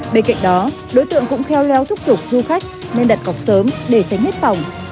bên cạnh đó đối tượng cũng kheo leo thúc giục du khách nên đặt cọc sớm để tránh hết phòng